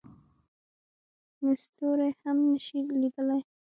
نو ستوري هم نه شي لیدلی.